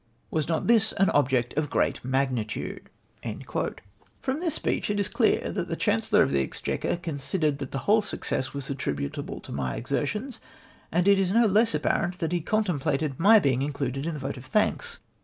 Was not this an object of great niagnitudeV From tins speech it is clear that the Chancellor of the Exchequer considered that the whole success was attributable to my exertions, and it is no less apparent that he contemplated my being included in the vote of thanks.